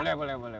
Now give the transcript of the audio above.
boleh boleh boleh